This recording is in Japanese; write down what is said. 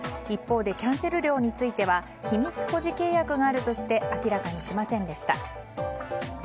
一方でキャンセル料については秘密保持契約があるとして明らかにしませんでした。